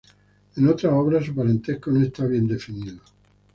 En otras obras, su parentesco no está bien definido.